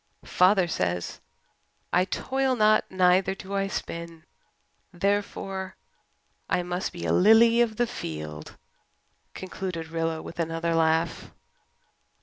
Father says I toil not neither do I spin. Therefore, I must be a lily of the field," concluded Rilla, with another laugh.